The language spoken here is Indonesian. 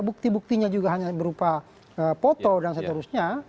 bukti buktinya juga hanya berupa foto dan seterusnya